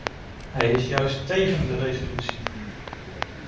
Hij is juist tegen de resolutie.